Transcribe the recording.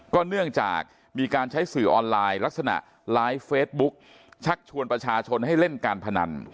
เนื่องจากมีการใช้สื่อออนไลน์ลักษณะไลฟ์เฟซบุ๊กชักชวนประชาชนให้เล่นการพนัน